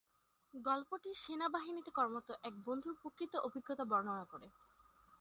গল্পটি সেনাবাহিনীতে কর্মরত এক বন্ধুর প্রকৃত অভিজ্ঞতা বর্ণনা করে।